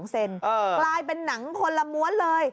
๑๙๒เซนตราปลายเป็นหนังคนละมวลเลย